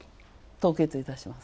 凍結いたします。